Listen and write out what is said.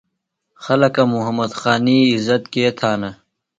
خلکہ محمد خانی عزت کے تھانہ؟